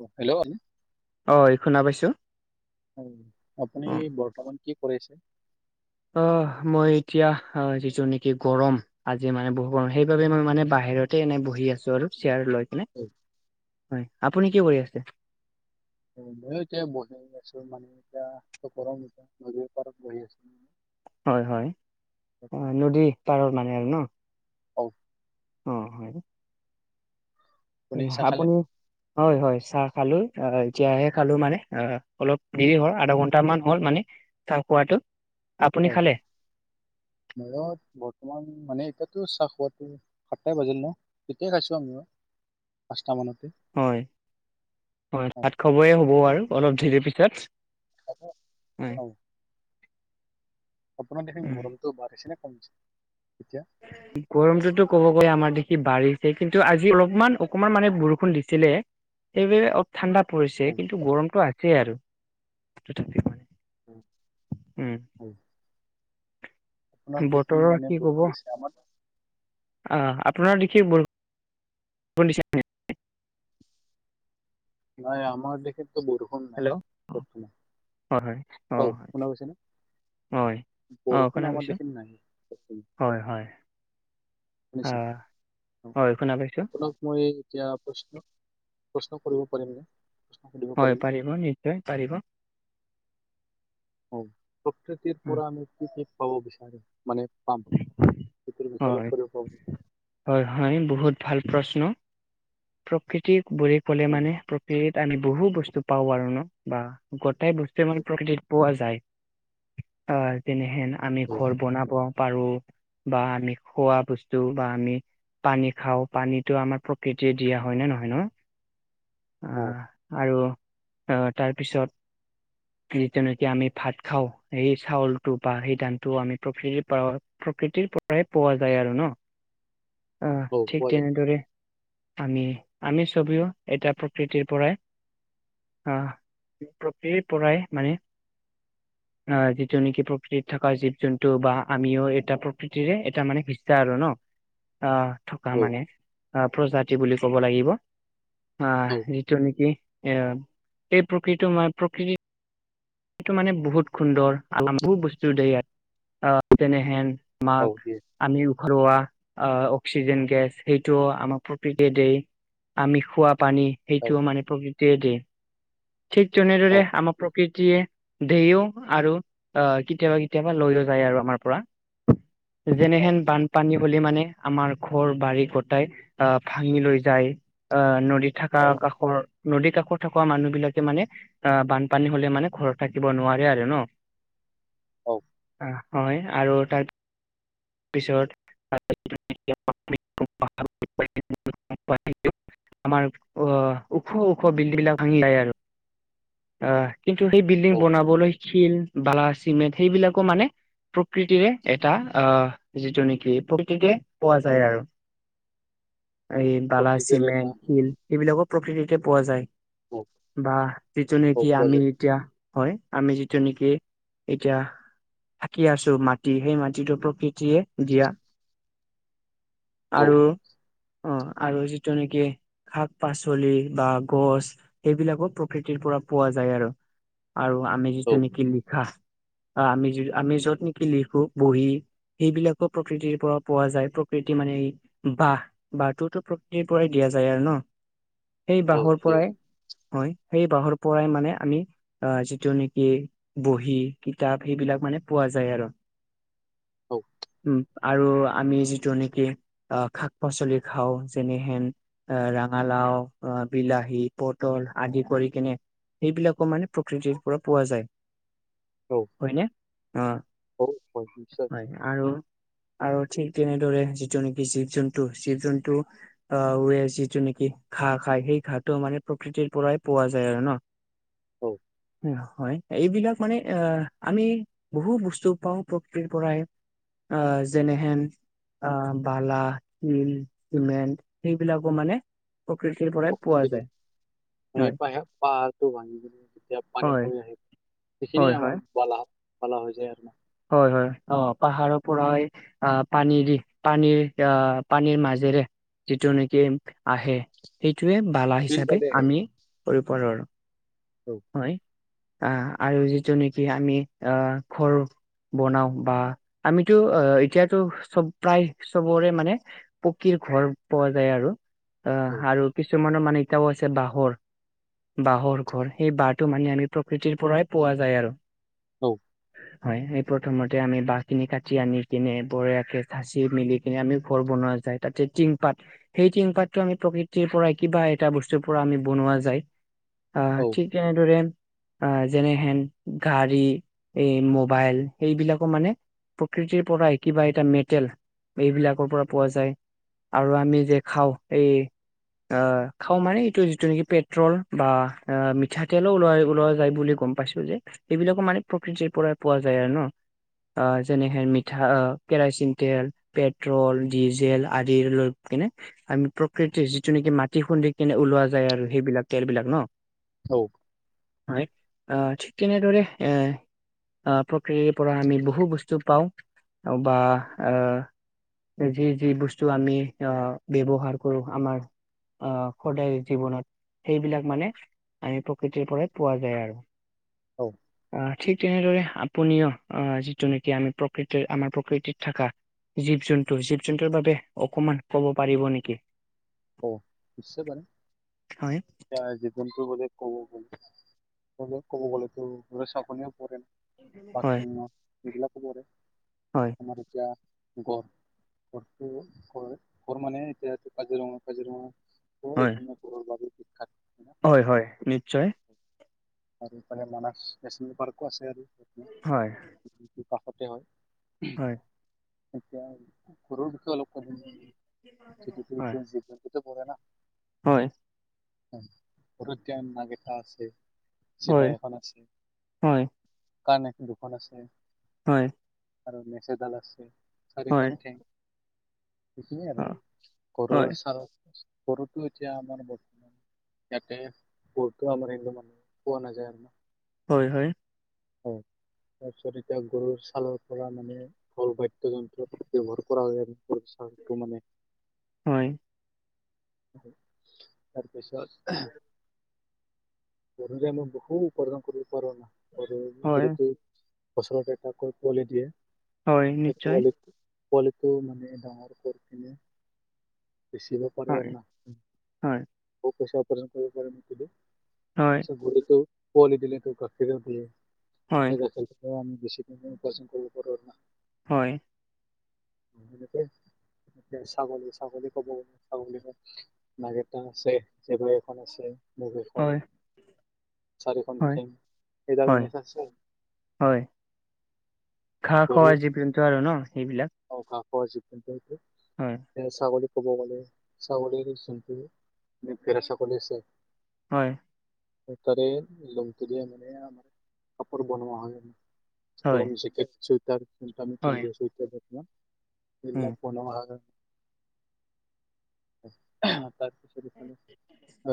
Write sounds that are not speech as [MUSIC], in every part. অ হেল্লন। অ এই শুনা পাইছো। হয়, আপুনি অ', বৰ্তমান কি কৰি আছে? অ মই এতিয়া যিটো নিকি গৰম। আজি মানে বহু, সেইবাবে মই মানে বাহিৰতে এনে বহি আছো আৰু শ্বেয়াৰ লৈ কিনে। [UNINTELLIGIBLE] হয়, আপুনি কি কৰি আছে? ময়ো এতিয়া বহি আছো মানে এতিয়া মস্ত গৰম নদীৰ পাৰত বহি আছো। হয় হয় অ নদী পাৰৰ মানে আৰু ন। [UNINTELLIGIBLE] অ হয়। আপুনি [UNINTELLIGIBLE] চাহ খালে? হাপুনি। হয় হয় চাহ খালো আহ এতিয়াহে খালো মানে অ অলপ দেৰি হল আধা ঘন্টা মান হল মানে। চাহ খোৱাটো। আপুনি অ খালে? মেৰত বৰ্তমান মানে এতিয়াটো চাহ খোৱাটো সাটাই বাজিল ন, এতিয়া খাইছো আমি পাঁচটা মানতে। হয় হয় অ ভাত খবৰে হ'বই আৰু অলপ দেৰি পিছত। খাব। হয়। আপোনাৰ দেখিম উম, গৰমটো বাঢ়িছেনে কম এতিয়া? গৰমটোতো ক'ব গৈ আমাৰ দেখি বাঢ়িছে কিন্তু আজি অলপমান অকমান মানে বৰষুণ দিছিলে। সেইবাবে অলপ ঠাণ্ডা পৰিছে অ কিন্তু গৰমটো আছেই আৰু তথাপিউ মানে। উ উম [UNINTELLIGIBLE] বতৰৰ মানে কি বৰষুণ ক'ব। দিছে আমাৰ আহ আপোনাৰ দেখি বৰষুণ দিছে নাই। নাই আমাৰ দেশেতো বৰষুণ নাই হেল্ল' বৰ্তমান। হয় হয়। অ ঔ শুনা পাইছে নে? হয় অ বৰষুণ শুনা আমাৰ পাইছো দেখোন নাই হয় হয় শুনিছ আহ অ হয় শুনা পাইছো আপোনাক মই এতিয়া প্ৰশ্ন প্ৰশ্ন কৰিব পাৰিমনে হয় পাৰিব নিশ্চয় পাৰিব অ প্ৰকৃতিৰ উম, পৰা আমি কি কি পাব বিচাৰো মানে পাম সেইটোৰ বিষয়ে অলপ হয় কৰিব পাৰো হয় হয় বহুত ভাল প্ৰশ্ন প্ৰকৃতি বুলি ক'লে মানে প্ৰকৃতিত আমি বহু বস্তু পাওঁ আৰু ন বা গোটেই বস্তু প্ৰকৃতিত পোৱা যায় আহ যেনেহেন আমি ঘৰ বনাব পাৰো বা আমি খোৱা বস্তু বা আমি পানী খাও পানীটো আমাৰ প্ৰকৃতিয়ে দিয়া হয় নে নহয় ন অ আহ আৰু তাৰ পিছত যেনেকে আমি ভাত খাওঁ সেই চাউলটো বা সেই ধানটো আমি প্ৰকৃতিৰ পৰা প্ৰকৃতিৰ পৰা পৰাই পোৱা যায় আৰু ন অ ঠিক পোৱা যায় তেনেদৰে আমি আমি চবেও এটা প্ৰকৃতিৰ পৰাই অ প্ৰকৃতিৰ পৰাই মানে অ যিটো নেকি প্ৰকৃতিত থকা জীৱ জন্তু বা আমিও এটা প্ৰকৃতিৰে এটা মানে ভিছা আৰু ন আহ থকা অ মানে আহ প্ৰজাতি বুলি ক'ব লাগিব অ অ যিটো নেকি এ এই প্ৰকৃটো মই প্ৰকৃতি সেটো মানে বহুত সুন্দৰ আলাম বহুত বস্তু দেই আৰু আহ তেনেহেন অ মাক দিয়ে আমি ঘৰুৱা অ অক্সিজেন গেছ সেইটোও আমাৰ প্ৰকৃতিয়েই দিয়েআমি খোৱা পানী অ সেইটোও মানে প্ৰকৃতিয়ে দিয়ে ঠিক অ তেনেদৰে আমাৰ প্ৰকৃতিয়ে দেইয়ো আৰু অ কেতিয়াবা কেতিয়াবা লৈয়ও যায় আৰু আমাৰ পৰা যেনেহেন বান পানী হ'লে মানে আমাৰ ঘৰ বাৰী গোটাই আহ ভাঙি লৈ যায় অ নদীত থকা অ অ কাষৰ নদীৰ কাষত থকা মানুহ বিলাকে মানে অ বানপানী হ'লে মানে ঘৰত থাকিব নোৱাৰে আৰু ন অ অ হয় আৰু তাত- পিছত [INAUDIBLE] আমাৰ অ ওখ ওখ লিল্ডিং বিলাক ভাঙি যায় আৰু আহ কিন্তু সেই বিল্ডিং অ বনাবলৈ শিল বালা চিমেণ্ট সেইবিলাকো মানে প্ৰকৃতিৰে এটা আহ যিটো নেকি প্ৰকৃতিতে পোৱা যায় আৰু [INAUDIBLE] এই বালা প্ৰকৃতিৰ এটা চিমেণ্ট শিল এইবিলাকো প্ৰকৃতিতে পোৱা যায় অ বা যেনেকৈ অ নেকি পোৱা আমি যায় এতিয়া হয় আমি যিটো নেকি এতিয়া থাকি আছো মাটি সেই মাটিটো প্ৰকৃতিয়ে দিয়া অ আৰু অ আৰু যিটো নেকি শাক পাচলি বা গছ সেইবিলাকো প্ৰকৃতিৰ পৰা পোৱা যায় আৰু আৰু আমি অ যিটো নেকি লিখা আমি য আমি য'ত নেকি লিখো বহি। সেইবিলাকো প্ৰকৃতিৰ পৰা পোৱা যায় প্ৰকৃতি মানে। বাহ, বাঁহটোতো প্ৰকৃতিৰ পৰাই দিয়া যায় আৰু ন। [INAUDIBLE] সেই বাঁহৰ, দিয়ে পৰাই হয় সেই বাঁহৰ পৰাই মানে আমি- আহ যিটো নেকি বহী, কিতাপ সেইবিলাক মানে পোৱা যায় আৰু- অ উম আৰু আমি যিটো নেকি আহ শাক-পাচলি খাওঁ যেনেহেন- অ ৰঙালাও, অ বিলাহী, পটল আদি কৰি কেনে সেইবিলাকো মানে প্ৰকৃতিৰ পৰা পোৱা যায় হয়নে। অ হয় হয় নিশ্চয়। হয় আৰু আৰু ঠিক তেনেদৰে যিটো নেকি জীৱ- জন্তু, জীৱ - জন্তু বোৰে যিটো নেকি ঘাঁহ, খাই সেই ঘাঁহটো মানে প্ৰকৃতিৰ পৰাই পোৱা যায় আৰু ন। অ হয় এইবিলাক মানে অ আমি বহু বস্তু পাও প্ৰকৃতিৰ পৰাই। আ যেনেহেন অ বালা, শিল, চিমেন্ট সেইবিলাকো মানে- প্ৰকৃতিৰ পৰাই পোৱা যায়। মান হয় প -পাহাৰটো ভাঙি যেতিয়া পানীত হয় পৰি আহে হয় সেইখিনিয়ে হয় আমাৰ বালা। বালা হৈ যায় আৰু ন। হয় হয় অ পাহাৰৰ পৰা হয়। আহ পানী দি পানীৰ আহ পানীৰ মাজেৰে যিটো নেকি আহে- সেইটোয়ে বালা বিল হিচাপে বালি আহে আমি ধৰিব পাৰো আৰু। অ হয় আহ আৰু যিটো নেকি আমি আহ ঘৰ বনাও বা আমিতো এতিয়াতো চব প্ৰায় চবৰে মানে পকীৰ ঘৰ পোৱা যায়। আৰু অ আৰু কিছুমানৰ মানে এতিয়াও আছে বাঁহৰ, বাঁহৰ ঘৰ সেই বাঁহটো মানে আমি প্ৰকৃতিৰ পৰাই পোৱা যায় আৰু অ হয় এই প্ৰথমতে আমি বাহখিনি কাটি আনি কিনে বৰীয়াকে চাঁচি মিলি কিনে আমি ঘৰ বনোৱা যায়। তাতে তিং পাত সেই টিং পাতটো আমি প্ৰকৃতিৰ পৰা কিবা এটা বস্তুৰ পৰা আমি বনোৱা যায়। ঠিক সেইদৰে - অ যেনেহেন গাড়ী এই মোবাইল সেইবিলাকো মানে- প্ৰকৃতিৰ পৰাই কিবা এটা মেটেল এইবিলাকৰ পৰা পোৱা যায়। আৰু আমি যে খাওঁ এই অ খাওঁ মানে এইটো যিটো নেকি পেট্ৰল বা অ মিঠাতেলো, ওলাই ওলোৱা যায় বুলি গম পাইছো যে এইবিলাকো মানিক প্ৰকৃতিৰ পৰাই পোৱা যায় আৰু ন। যেনেহে মিঠা কেৰচিন, তেল পেট্ৰল ডিজেল আদিৰ লৈ কিনে আমি প্ৰকৃতিৰ যিটো নেকি মাটি খুন্দি কেনে ওলোৱা যায় আৰু সেইবিলাক তেল বিলাক ন। হৌ হয় অ ঠিক তেনেদৰে এ প্ৰক্ৰতিৰ পৰা আমি বহু বস্তু পাওঁ, বা আহ যি যি বস্তু আমি আহ ব্যৱহাৰ কৰো। আমাৰ আহ সদায় জীৱনত সেইবিলাক মানে আমি প্ৰকৃতিৰ পৰা পোৱা যায় আৰু। হৌ আহ ঠিক তেনেদৰে আপুনিও আহ যিটো নেকি আমি প্ৰকৃতি আমাৰ প্ৰকৃতিত থকা জীৱ জন্তু জীৱ জন্তুৰ বাবে অকমান কব পাৰিব নেকি? অঁ নি্চ বানে [UNINTELLIGIBLE] হয় এতিয় জীৱ জন্তুৰ বলে কব বলে ক'ব তোৰ সক প ন বাঘ হয় সিংহ এইবিলাকো পৰে। হয়। আমাৰ এতিয়া গ়ড় মানে গড়টো ঘ ঘৰ মানে এতিয়া কাজিৰঙা কাজিৰঙা গড়, হয় এশিঙীয়া গড়ৰ বাবে বখ্যাত। হয় হয় নিশ্চয়। আৰুফালে মানস বেচ পাৰকো আছে আৰু। হয়। কাষতে হয় হয় এতিয়া গড়ৰ বিষয়ে অলপ হয় [UNINTELLIGIBLE] হয়। ঘতে নাগেটা আছে [UNINTELLIGIBLE] চিপাই হয় এখন আছে হয় কণ এখন দুখন আছে। হয়। আৰু নেজ এডাল আছে হয় চাৰিখন ঠেং সখিনিয়ে আৰু হয় হয় গৰুৰ ছাল গৰুটোএতিয়া আমাৰ বৰ্তমান ইয়াতে গৰুতো আমাৰ ইু মানহ পোৱা না যায় আৰু ন। হয় হয়। হয় তাৰপিছত এতিয়া গৰুৰ ছালৰ পৰা মানে ফল বাদ্য যন্ত্ৰ ব্যৱহাৰ কৰা হয়টো মানে হয়। তাৰপিছত বম বহু উ উপাৰা কৰি পাৰা। গৰু হয় গৰুতে বছৰতে এটাকৈ পোৱলি দিয়ে। হয় নিশ্চয় পোৱাল পোৱালিটো মানে ডাঙৰ কৰি কিনে হয় হয় বেছিভাগ [UNINTELLIGIBLE] হয় আচ্ছা গৰুটো পোৱালি দিল ত গাখীৰো হয় দিয়ে। ত আমি বিশছখিনে উপন কৰৰ না। হয়। ছাগলী- ছাগলী কব ছাগলী। নাক এটা আছে। সবোৰ এখন আছে। মুখ এখন। হয় চাৰিখন হয় ঠেং, এডাল হয় নেজ আছে। হয়। ঘাহ খোৱাই, যি আৰু ন সেইবিলাক। অ, কা খবৰ কজিপ নাই যে। হয়। এ ছাগলী কব গ'লে, ছাগলীৰ যোনটো ভেঁৰা ছাগলী আছে। হয়। তাৰে লওঁতে দ মানে, আমাৰ কাপোৰ বনোৱা হয়। হয় গৰম জেকেট, চুইটাৰ আমি হয় পিন্ধি আছোঁ ঠাণ্ডা দিনত। উম এইবিলাক বনোৱা হয়। তাৰপিছত এইফালে,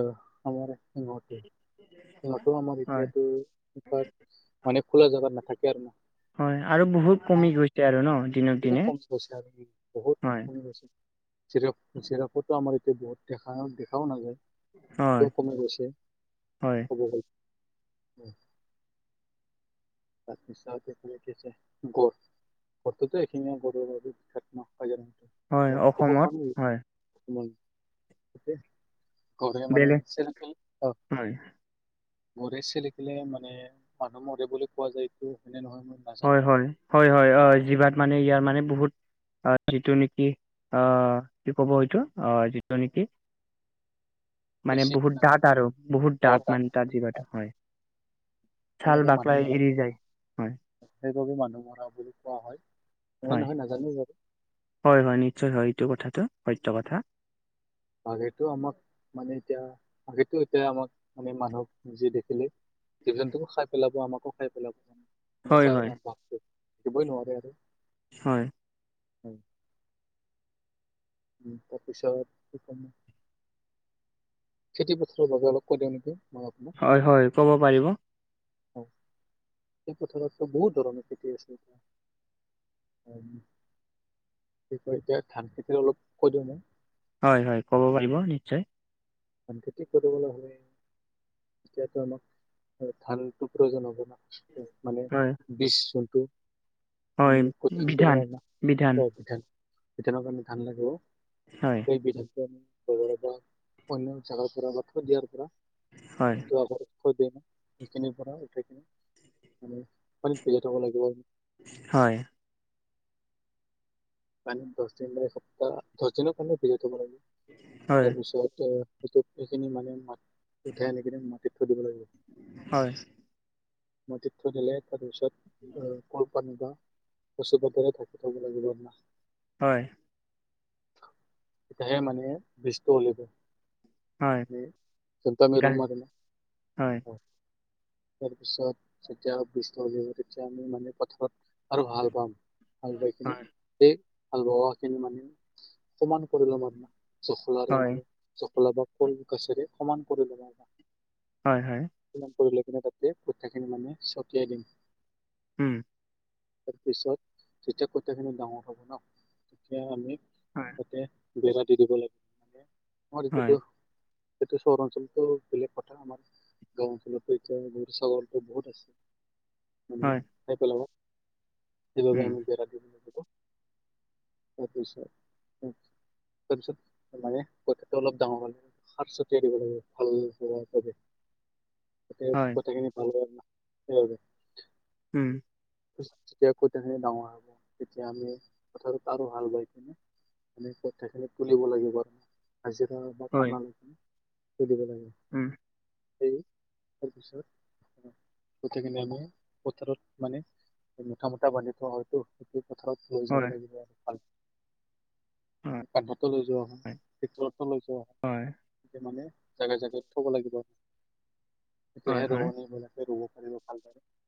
আহ আমাৰ- সিহঁতটো আমাৰ হয় এতিয়াটো মানে, খোলা জোগাত নাথাকে আৰু ন। হয় আৰু বহুত কমি গৈছে আৰু ন, দিনক দিনে। বহুত কম গৈছে আৰু বহুত হয় কম গৈছে। স সৰাপতো আমাৰ এতিয়া বহুত দেখা দেখাও নাযায়। হয় ক কমাই গৈছে হয় হব। পাকিচানক তুলিকেছে গৰ। ঘৰতো এইখিনি গ থাক ন, হাজাৰ হয় অসমত মটৰ। হয় হম। ঘলেগে মানে বেলেগ চেলফি, অ। হয় গৰে চেলিকিলে মানে মানুহ মৰে বুলি কোৱা যায় এইটো সেৱনে নহয় মানে। হয় হয় হয় অ জিভাত মানে ইয়াৰ মানে বহুত- অ, যিটো নেকি, অ, কি ক'ব সেইটো অ, যিটো নেকি। [INAUDIBLE] মানে বহুত না ডাট আৰু বহুত অ ডাট তাত মানে তাৰ জিভাটো হয়। চাল সেইবাবে মানুহ বাকলাই মৰা এৰি যায়, হয়। সেইবাবে মানুহ মৰা বুলি কোৱা হয়, হয় নহয় নাজানো বাৰু। হয় হয় নিশ্চয় হয় এইটো কথাটো সত্য কথাটো। আগেটো আমাক মানে, এতিয়া আগে এতিয়া আমাক মানে মানুহ যি দেখিলে। জীৱ জন্তুকো খাই পেলাব, আমাকো খাই পেলাব, আমাকো হয় খাই হয় পেলাব আৰু থাকিবই নোৱাৰে আৰু। হয়। হয়। উম, তাৰপিছত কি কমনো। খেতি পথাৰৰ বাবে অলপ কৈ দিওঁ নেকি মই? হয় হয় ক'ব পাৰিব। সেই পথাৰটো বহুত ধৰণৰ খেতি আছে এতিয়া। এতিয়া ধান খেতি অলপ কৈ দিওঁ মই। হয় হয় ক'ব পাৰিব নিশ্চয়। ধান খেতি কৰিবলৈ হলে- এতিয়াটো আমাক ধানটো প্ৰয়োজন হ'ব না মানে হয় বীজ যোনটো। হয় আমি বিধান কঠিয়া বিধান পিঠানৰ কাৰণে ধান লাগিব। হয়। থাক অন জাগৰ পৰা বা থ দিয়াৰ পৰা। হয় যোৱাবাৰ। সেইখিনিৰ পৰা উঠাই কেনে পানীত বিজাই থব লাগিব। হয়। মানে দহ দিন মানে, এ সপ্তাহ দহ দিনৰ কাৰণে ভিজাই থব লাগিব, হয় তাৰ পিছত- সেই সেইখিনি মানে মাটিত উঠাই আনি কিনে মাটিত থৈ দিব লাগিব। হয়। মাটিত থৈ দিলে তাৰ পিছত আহ, কল পাট বা- কচু পাতেৰে ঢাকি থই দিব লাগে। হয় সেয়ে মানে বেচটো ওলাই দে হয় উম সেইকাৰণে গা ৰুম আৰু হয় তাৰ পিছত যেতিয়া গ্ৰীস্ম হৈ যাব তেতিয়া আমি মানে পথাৰত আৰু হাল বাম হাল পাই কিনে হয় সেই হাল বোৱাখিনি মানে সমান কৰি লম আৰু জখলাৰে হয় মানে। জখলাদাল সৰু গাছেৰে সমান কৰি ল'বা হয় হয় সমান কৰি লৈ কিনে তাতে কঠিয়াখিনি মানে ছটিয়াই দিম। উম তাৰ পিছত যেতিয়া কঠীয়া খিনি ডাঙৰ হব ন' তেতিয়া আমি হয় তাতে বেৰা দি দিব লাগে মানে মই হয় তেতিয়াতো সেইটো চহৰ অঞ্চলতো বেলেগ কথা আমাৰ। গাঁওৰ অঞ্চলতো এতিয়া গৰু ছাগলী বহুত আছে। মানে হয় খাই পেলাব সেইবাবে উম আমি বেৰা দি দিব লাগিব তাৰ পিছত উম তাৰ পিছত মানে কঠিয়াটো অলপ ডাঙৰ হল সাৰ ছটিয়াই দিব লাগে ভাল হোৱাৰ বাবে। কঠিয়া হয় কঠিয়াখিনি ভালকে উম যেতিয়া কঠীয়া খিনি ডাঙৰ হ'ব তেতিয়া আমি পথাৰত আৰু হাল বাই কিনে মানে কঠিয়া খিনি টোলিব লাগিব আজি পৰা হয় কাম টোলিব লাগিব। উম সেই তাৰপিছত কঠিয়া খিনি আমি পথাৰত মানে মুঠা মুঠা বান্ধি থোৱা হয়তো সেইটো পথাৰত লৈ যাব হয় লাগিব আৰু ভাল হয় আমি কান্ধতো লৈ যোৱা হয় পীঠলতো লৈ যোৱা হয় মানে জেগায়ে জেগায়ে থব লাগিব হয় তেতিয়াহে হয় ৰুৱনীবিলাকে ৰুব পাৰিব ভালদৰে